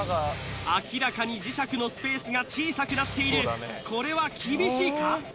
明らかに磁石のスペースが小さくなっているこれは厳しいか？